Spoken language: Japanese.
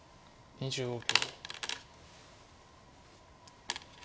２５秒。